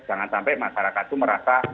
jangan sampai masyarakat itu merasa